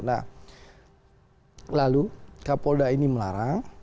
nah lalu kapolda ini melarang